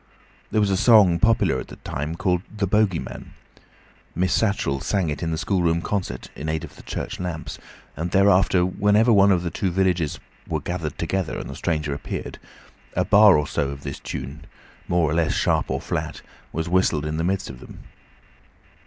There was a song popular at that time called "The Bogey Man". Miss Statchell sang it at the schoolroom concert (in aid of the church lamps), and thereafter whenever one or two of the villagers were gathered together and the stranger appeared, a bar or so of this tune, more or less sharp or flat, was whistled in the midst of them.